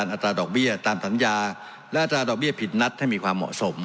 อัตราดอกเบี้ยตามสัญญาและอัตราดอกเบี้ยผิดนัดให้มีความเหมาะสม